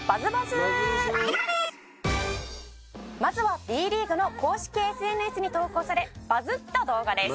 「まずはＢリーグの公式ＳＮＳに投稿されバズった動画です」